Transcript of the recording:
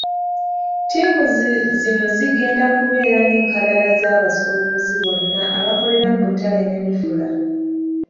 Ttiimu zino zigenda kubeera n'enkalala z'abasuubuzi bonna abakolera mu butale ne Lufula